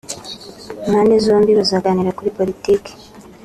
Impande zombi bazaganira kuri Politike